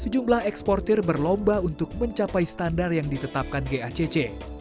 sejumlah eksportir berlomba untuk mencapai standar yang ditetapkan gacc